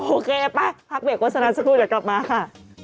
โอเคไปพักเบรกโฆษณาสักครู่เดี๋ยวกลับมาค่ะ